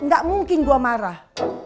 gak mungkin gue marah